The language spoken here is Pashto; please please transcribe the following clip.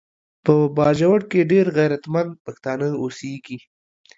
په باجوړ کې ډیر غیرتمند پښتانه اوسیږي